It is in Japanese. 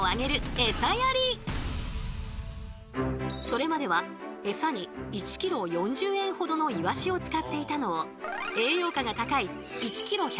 それまではエサに１ｋｇ４０円ほどのイワシを使っていたのを栄養価が高い１ｋｇ１００円のサバに変更。